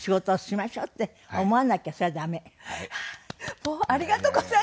もうありがとうございます。